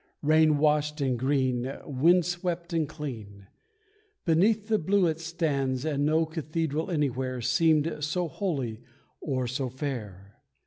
Rain washed and green, wind swept and clean, Beneath the blue it stands, And no cathedral anywhere Seemeth so holy or so fair.